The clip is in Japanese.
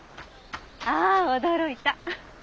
あ驚いた。